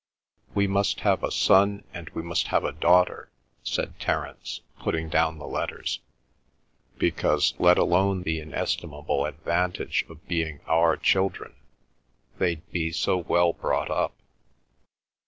"We must have a son and we must have a daughter," said Terence, putting down the letters, "because, let alone the inestimable advantage of being our children, they'd be so well brought up."